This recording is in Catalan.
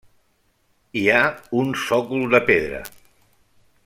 Hi ha un sòcol de pedra.